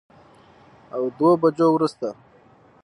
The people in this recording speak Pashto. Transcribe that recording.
او دوو بجو وروسته